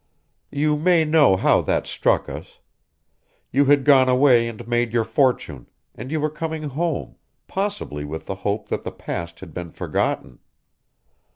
"You may know how that struck us. You had gone away and made your fortune, and you were coming home, possibly with the hope that the past had been forgotten.